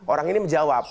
orang ini menjawab